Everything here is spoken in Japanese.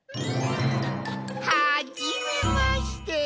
はじめまして。